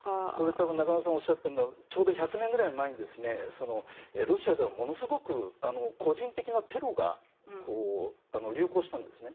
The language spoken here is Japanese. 多分、中野さんがおっしゃっているのはちょうど１００年くらい前にロシアではものすごく個人的なテロが流行したんですね。